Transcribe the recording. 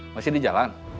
masih di jalan